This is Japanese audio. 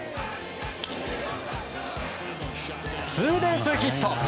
ツーベースヒット。